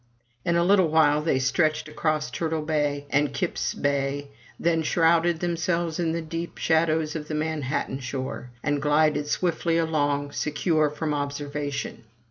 In a little while they stretched across Turtle Bay and Kip's Bay, then shrouded themselves in the deep shadows of the Manhattan shore, and glided swiftly along, secure from observa tion.